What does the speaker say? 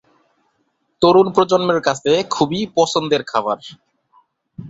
তরুন প্রজন্মের কাছে খুবই পছন্দের খাবার।